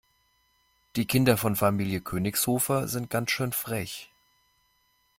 Die Kinder von Familie Königshofer sind ganz schön frech.